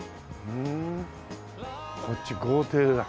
こっち豪邸だ。